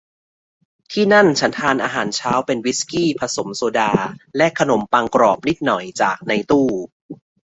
ที่นั่นฉันทานอาหารเช้าเป็นวิสกี้ผสมโซดาและขนมปังกรอบนิดหน่อยจากในตู้